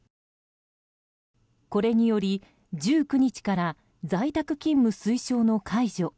これにより１９日から在宅勤務推奨の解除